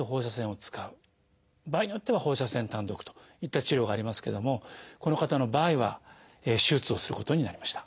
場合によっては放射線単独といった治療がありますけどもこの方の場合は手術をすることになりました。